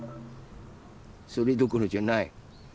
それどころじゃない。